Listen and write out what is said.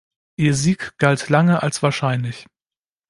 Ihr Sieg galt lange als wahrscheinlich.